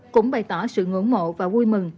cũng bày tỏ sự ngưỡng mộ và vui mừng